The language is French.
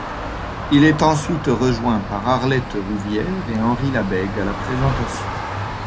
Il est ensuite rejoint par Arlette Rouvière et Henri Lebègue à la présentation.